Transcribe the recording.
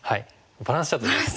バランスチャート。